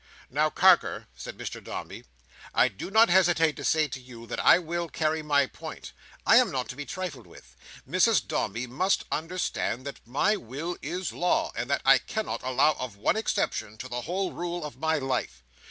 "Now, Carker," said Mr Dombey, "I do not hesitate to say to you that I will carry my point. I am not to be trifled with. Mrs Dombey must understand that my will is law, and that I cannot allow of one exception to the whole rule of my life.